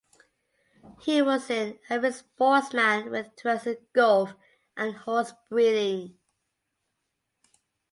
He was an avid sportsman with interests in golf and horse breeding.